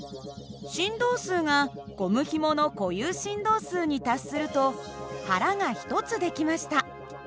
振動数がゴムひもの固有振動数に達すると腹が１つ出来ました。